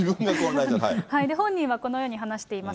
本人はこのように話しています。